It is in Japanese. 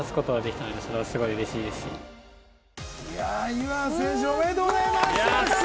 ゆわ選手おめでとうございます！